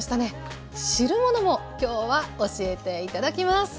汁物もきょうは教えて頂きます。